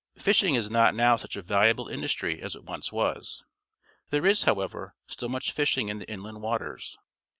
Fishing is not now such a valuable industry as it once was. There is, however, still much fisliing in the inland waters.